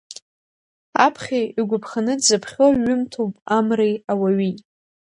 Аԥхьаҩ игәаԥханы дзыԥхьо ҩымҭоуп Амреи ауаҩи.